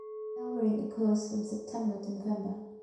Flowering occurs from September to November.